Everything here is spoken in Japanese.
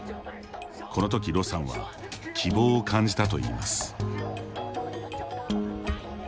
この時、盧さんは希望を感じたといいます。